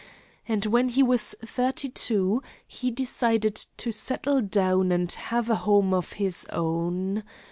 And when he was thirty two, he decided to settle down and have a home of his own.